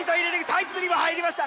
タイプ３も入りました！